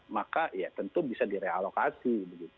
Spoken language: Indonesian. maka ya tentu bisa direalokasi